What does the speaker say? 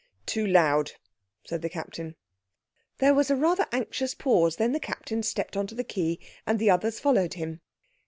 "Too loud," said the Captain. There was a rather anxious pause; then the Captain stepped on to the quay, and the others followed him.